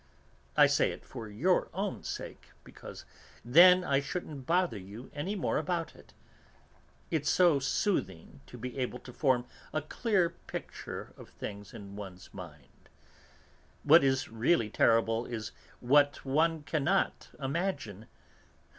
I say it for your own sake, because then I shouldn't bother you any more about it. It's so soothing to be able to form a clear picture of things in one's mind. What is really terrible is what one cannot imagine.